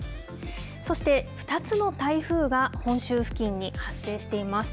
そして２つの台風が本州付近に発生しています。